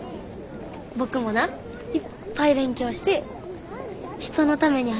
僕もないっぱい勉強して人のために働ける大人になる。